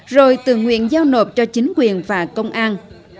rồi tự nguyện giao nộp cho chính quyền và công an